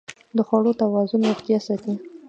د خوړو توازن روغتیا ساتي.